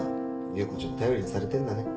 優子ちゃん頼りにされてんだね。